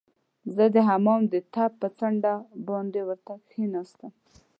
زه د حمام د ټپ پر څنډه باندې ورته کښیناستم.